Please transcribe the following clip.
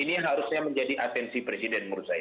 ini yang harusnya menjadi atensi presiden menurut saya